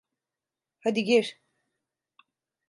Hadi gir.